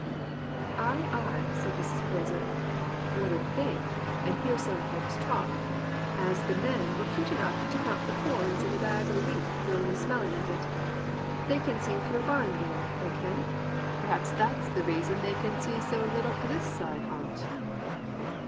" *Ay, ay !' said Mrs. Poyser; *one 'ud think, an' hear some folks talk, as the men war 'cute enough to count the corns in a bag o' wheat wi' only smell ing at it. They can see through a barn door, they can. Perhaps that's the reason they can see so little o' this side on't.'